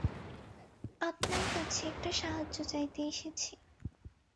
আপনার কাছে একটা সাহায্য চাইতে এসেছি।